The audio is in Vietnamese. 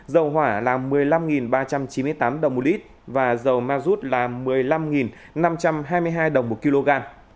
dầu hỏa là một mươi năm ba trăm chín mươi tám đồng một lít và dầu ma rút là một mươi năm năm trăm hai mươi hai đồng một kg